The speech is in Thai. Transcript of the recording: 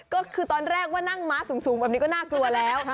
ก็คือตอนแรกว่านั่งม้าสูงแบบนี้ก็น่ากลัวแล้ว